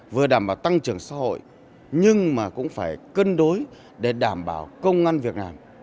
vừa đảm bảo tăng trưởng xã hội nhưng mà cũng phải cân đối để đảm bảo công ngân việt nam